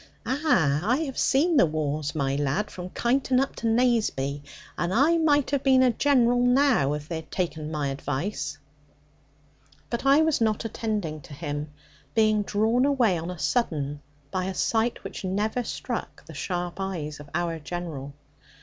Ah, I have seen the wars, my lad, from Keinton up to Naseby; and I might have been a general now, if they had taken my advice ' But I was not attending to him, being drawn away on a sudden by a sight which never struck the sharp eyes of our General.